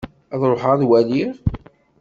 Ad ruḥeɣ ad waliɣ.